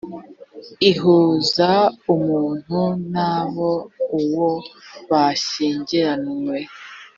ihuza umuntu n abo uwo bashyingiranywe